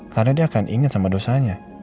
karena dia akan inget sama dosanya